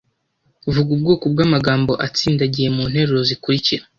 Vuga ubwoko bw’amagambo atsindagiye mu nteruro zikurikira.